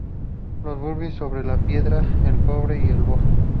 Los buriles sobre la piedra, el cobre y el boj.